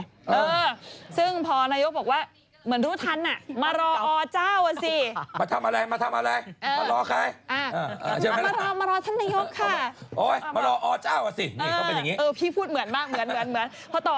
เออซึ่งพอนายกประยุทธ์บอกว่าเหมือนรู้ทันอ่ะ